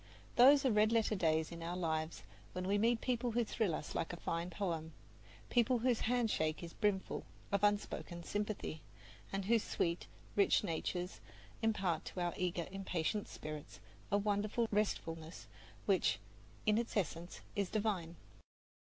Those are red letter days in our lives when we meet people who thrill us like a fine poem, people whose handshake is brimful of unspoken sympathy, and whose sweet, rich natures impart to our eager, impatient spirits a wonderful restfulness which, in its essence, is divine.